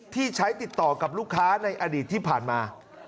ที่ใช้ติดต่อกับลูกค้าในอดีตที่ผ่านมา